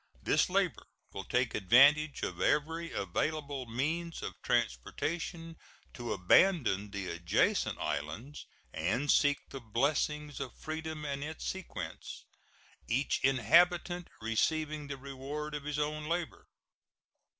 This labor will take advantage of every available means of transportation to abandon the adjacent islands and seek the blessings of freedom and its sequence each inhabitant receiving the reward of his own labor.